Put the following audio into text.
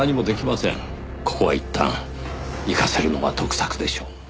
ここはいったん行かせるのが得策でしょう。